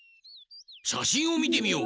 しゃしんをみてみよう！